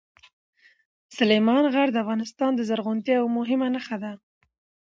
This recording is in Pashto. سلیمان غر د افغانستان د زرغونتیا یوه مهمه نښه ده.